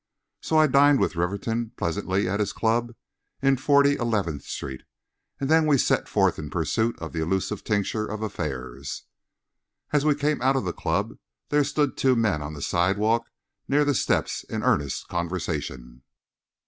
So I dined with Rivington pleasantly at his club, in Forty eleventh street, and then we set forth in pursuit of the elusive tincture of affairs. As we came out of the club there stood two men on the sidewalk near the steps in earnest conversation.